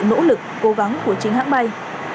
nỗ lực cố gắng của chính hãng bay